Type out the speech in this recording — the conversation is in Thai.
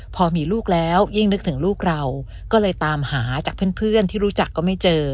พอมีลูกแล้วยิ่งนึกถึงลูกเราก็เลยตามหาจากเพื่อนที่รู้จักก็ไม่เจอ